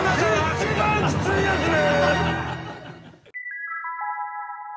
一番きついやつね！